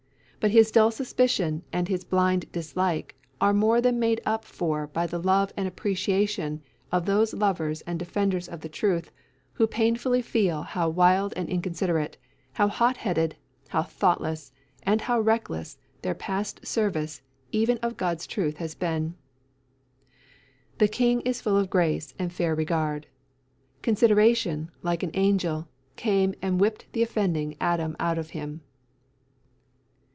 But his dull suspicion and his blind dislike are more than made up for by the love and appreciation of those lovers and defenders of the truth who painfully feel how wild and inconsiderate, how hot headed, how thoughtless, and how reckless their past service even of God's truth has been. "The King is full of grace and fair regard. Consideration, like an angel, came And whipp'd the offending Adam out of him."